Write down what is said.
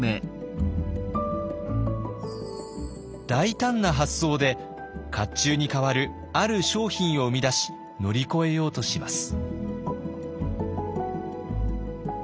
大胆な発想で甲冑に代わるある商品を生み出し乗り越えようとします。